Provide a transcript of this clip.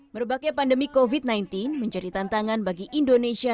merebaknya pandemi covid sembilan belas menjadi tantangan bagi indonesia